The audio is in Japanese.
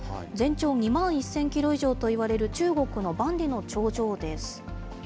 全長２万１０００キロ以上といわれる中国の万里の長城です。